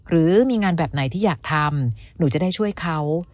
หรือมีงานแบบไหนที่อยากทำหนูจะได้ช่วยเขา